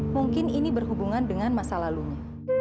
mungkin ini berhubungan dengan masa lalunya